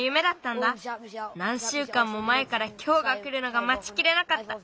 なんしゅうかんもまえからきょうがくるのがまちきれなかった。